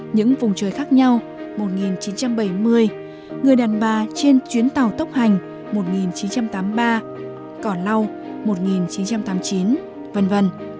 những vùng trời khác nhau một nghìn chín trăm bảy mươi người đàn bà trên chuyến tàu tốc hành một nghìn chín trăm tám mươi ba cỏ lau một nghìn chín trăm tám mươi chín v v